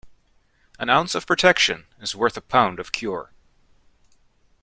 An ounce of protection is worth a pound of cure.